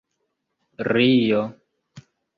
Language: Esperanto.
rio